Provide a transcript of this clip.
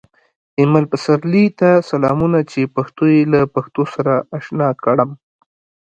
ایمل پسرلي ته سلامونه چې پښتو یې له پښتو سره اشنا کړم